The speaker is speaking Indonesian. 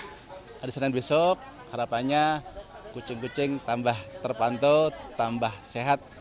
hari senin besok harapannya kucing kucing tambah terpantau tambah sehat